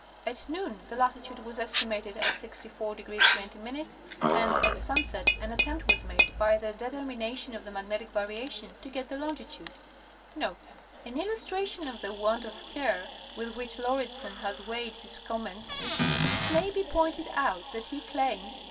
At noon the latitude was estimated at 64° 20', and at sunset an attempt was made by the determination of the magnetic variation to get the longitude (L.). Notes.—An illustration of the want of care with which Lauridsen has weighed his comments, it may be pointed out that he claims (p.